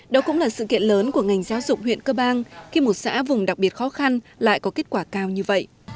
đó cũng là sự kiện lớn của ngành giáo dục huyện cơ bang khi một xã vùng đặc biệt khó khăn lại có kết quả cao như vậy